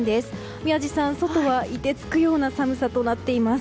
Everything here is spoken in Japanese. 宮司さん、外は凍てつくような寒さとなっています。